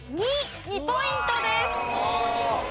２。２ポイントです。